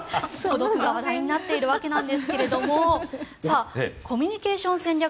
孤独が話題になっているわけなんですがコミュニケーション戦略